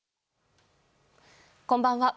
こんばんは。